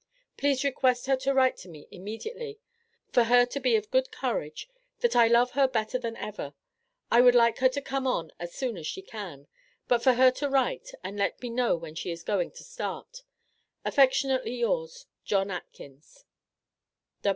Please request her to write to me immediately, for her to be of good courage, that I love her better than ever. I would like her to come on as soon as she can, but for her to write and let me know when she is going to start. Affectionately Yours, JOHN ATKINS.